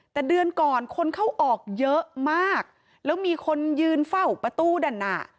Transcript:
แต่เดือนก่อนคนเข้าออกเยอะมากแล้วมีคนยืนเฝ้าประตูด้านหน้า